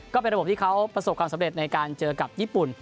ก็เป็นระบบที่เขาประสบความสำเร็จในการเจอกับญี่ปุ่น